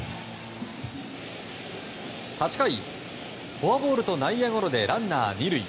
８回、フォアボールと内野ゴロでランナー２塁。